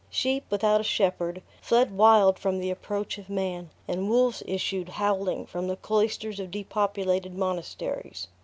Sheep, without a shepherd, fled wild from the approach of man; and wolves issued, howling, from the cloisters of depopulated monasteries.